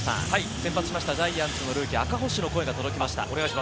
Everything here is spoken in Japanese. ジャイアンツのルーキー・赤星の声が届きました。